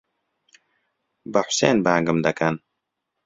بە حوسێن بانگم دەکەن.